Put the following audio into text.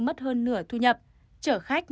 mất hơn nửa thu nhập trở khách